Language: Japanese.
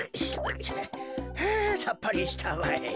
はあさっぱりしたわい。